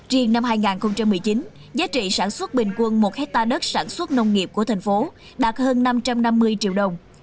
riêng năm hai nghìn một mươi chín giá trị sản xuất bình quân một hectare đất sản xuất nông nghiệp của thành phố đạt hơn năm trăm năm mươi triệu đồng